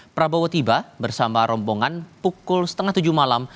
prabowo tiba bersama rombongan pukul setengah tujuh malam